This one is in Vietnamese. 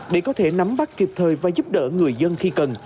để có thể nắm bắt kịp thời và giúp đỡ người dân khi cần